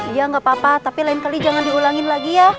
iya nggak apa apa tapi lain kali jangan diulangin lagi ya